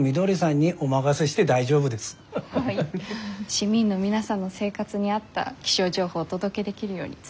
市民の皆さんの生活に合った気象情報をお届けできるように努めます。